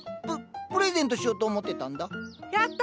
ププレゼントしようと思ってたんだ。